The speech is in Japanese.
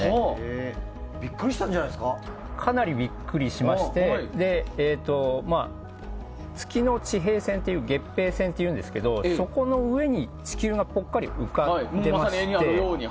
ビックリしたんじゃかなりビックリしまして月の地平線っていう月平線っていうんですけどそこの上に地球がぽっかり浮かんでまして。